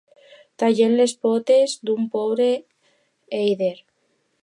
Tallen les potes d'un pobre èider.